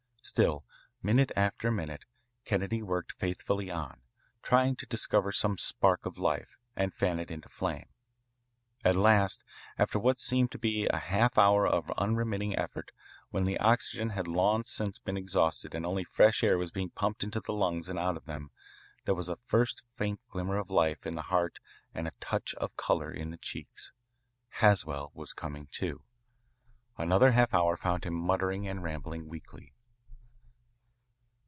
Still, minute after minute, Kennedy worked faithfully on, trying to discover some spark of life and to fan it into flame. At last, after what seemed to be a half hour of unremitting effort, when the oxygen had long since been exhausted and only fresh air was being pumped into the lungs and out of them, there was a first faint glimmer of life in the heart and a touch of colour in the cheeks. Haswell was coming to. Another half hour found him muttering and rambling weakly.